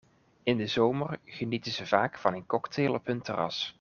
In de zomer genieten ze vaak van een cocktail op hun terras.